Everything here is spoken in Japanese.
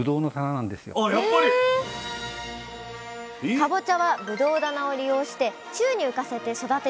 かぼちゃはぶどう棚を利用して宙に浮かせて育てていたんです。